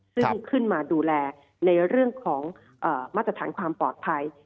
ซึ่งขึ้นมาดูแลมาตรฐานความปลอดภัย